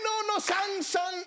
シャンシャン。